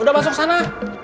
udah masuk sana